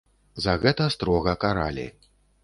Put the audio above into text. За гэта строга каралі.